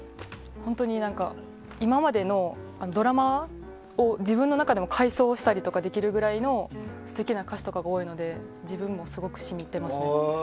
今までのドラマを、自分の中でも回想したりできるぐらいの素敵な歌詞とかが多いので自分も、すごくしみてます。